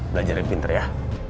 belajarin pintar ya